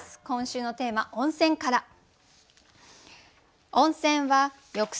今週のテーマ「温泉」から。